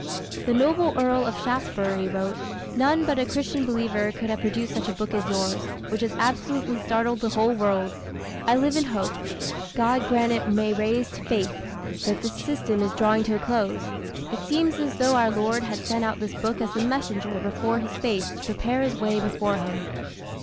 The noble Earl of Shaftesbury wrote, "None but a Christian believer could have produced such a book as yours, which has absolutely startled the whole world.... I live in hope God grant it may rise to faith! that this system is drawing to a close. It seems as though our Lord had sent out this book as the messenger before His face to prepare His way before Him."